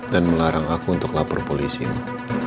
dan melarang aku untuk lapor polisi mas